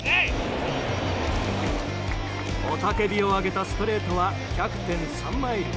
雄たけびを上げたストレートは１００．３マイル。